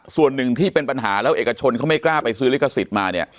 ส่วนหนึ่งที่เป็นปัญหาแล้วเอกชนเขาไม่กล้าไปซื้อลิขสิทธิ์มาเนี่ย